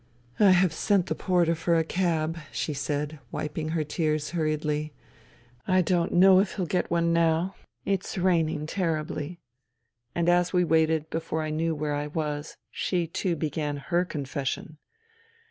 " I have sent the porter for a cab," she said, wiping her tears hurriedly. " I don't know if he'll get one now. It's raining terribly." And as we waited, before I knew where I was, she too began her confession.